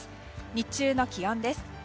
日中の気温です。